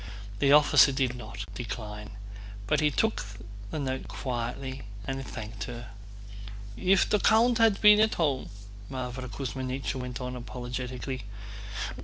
The officer did not decline, but took the note quietly and thanked her. "If the count had been at home..." Mávra Kuzmínichna went on apologetically.